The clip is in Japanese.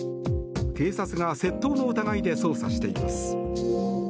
警察が窃盗の疑いで捜査しています。